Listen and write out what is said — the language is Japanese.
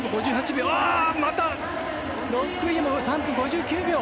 ６位も３分５９秒。